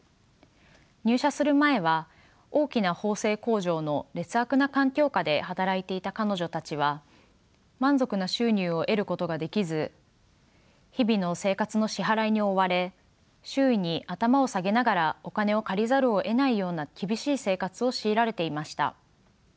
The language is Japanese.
入社する前は大きな縫製工場の劣悪な環境下で働いていた彼女たちは満足な収入を得ることができず日々の生活の支払いに追われ周囲に頭を下げながらお金を借りざるをえないような厳しい生活を強いられていました。